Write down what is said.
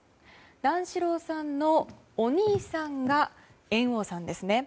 段四郎さんのお兄さんが猿翁さんですね。